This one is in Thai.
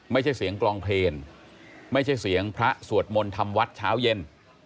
ไม่ใช่เสียงกลองเพลงไม่ใช่เสียงพระสวดมนต์ทำวัดเช้าเย็น